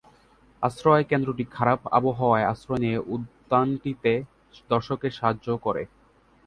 আশ্রয় কেন্দ্রটি খারাপ আবহাওয়ায় আশ্রয় নিয়ে উদ্যানটিতে দর্শকদের সাহায্য করে।